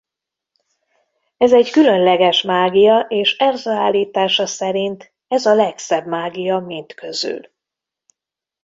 Ez egy különleges mágia és Erza állítása szerint ez a legszebb mágia mind közül.